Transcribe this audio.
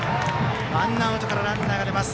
ワンアウトからランナーが出ます。